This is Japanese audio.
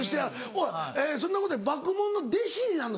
おいそんなことより爆問の弟子になんの？